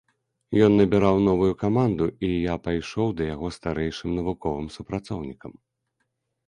Ён набіраў новую каманду, і я пайшоў да яго старэйшым навуковым супрацоўнікам.